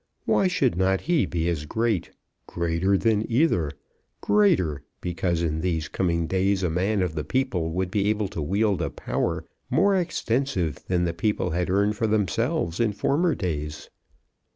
Why should not he be as great, greater than either; greater, because in these coming days a man of the people would be able to wield a power more extensive than the people had earned for themselves in former days?